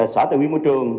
xã tài nguyên môi trường